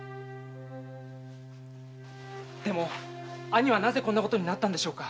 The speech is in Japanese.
兄はなぜこんなことになったのでしょうか？